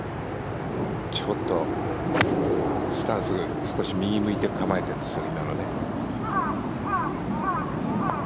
ちょっとスタンス少し右を向いて構えてるんですよ。